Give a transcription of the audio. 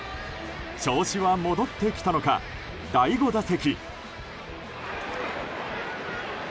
調子は戻ってきたのか第５打席。